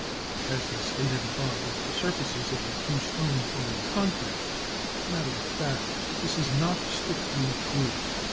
It has been stated above that the surfaces of the two stones are in contact. As a matter of fact this is not strictly true.